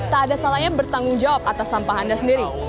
tak ada salahnya bertanggung jawab atas sampah anda sendiri loh